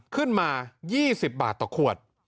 ขึ้นมา๒๐บาทต่อขวด